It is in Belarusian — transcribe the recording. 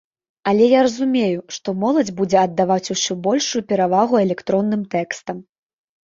Але я разумею, што моладзь будзе аддаваць усё большую перавагу электронным тэкстам.